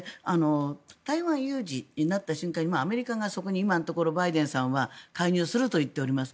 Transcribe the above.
台湾有事になった瞬間にアメリカが今のところバイデンさんは介入すると言っています。